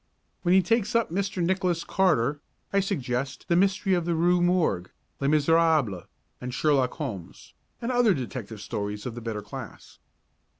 When he takes up Mr. Nicholas Carter I suggest "The Mystery of the Rue Morgue," "Les Misérables" and "Sherlock Holmes," and other detective stories of the better class.